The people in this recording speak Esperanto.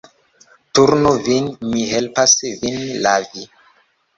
Turnu vin, mi helpas vin lavi.